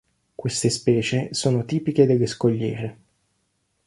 Queste specie sono tipiche delle scogliere.